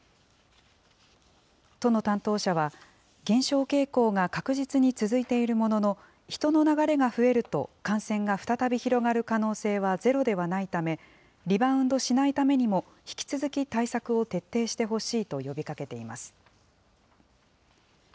都の担当者は、減少傾向が確実に続いているものの、人の流れが増えると、感染が再び広がる可能性はゼロではないため、リバウンドしないためにも、引き続き対策を徹底してほしいと呼びかけています。